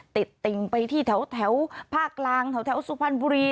ติ่งไปที่แถวภาคกลางแถวสุพรรณบุรี